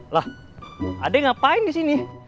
lah ade ngapain disini